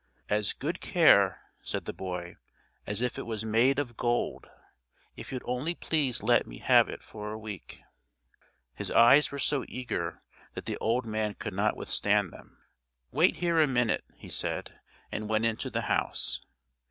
"As good care," said the boy, "as if it was made of gold, if you'd only please let me have it for a week." His eyes were so eager that the old man could not withstand them. "Wait here a minute," he said, and went into the house.